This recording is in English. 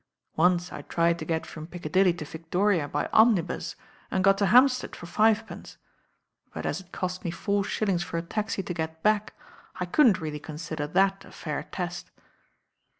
Once I tried to get from Piccadilly to Victoria by omnibus, and got to Hampsiead for fivepence; but as it cost me four shillings for a taxi to get back, I couldn't really consider that a fair test."